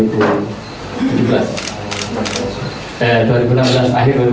komunikasi dengan kusipul ini kira kira awal dua ribu enam belas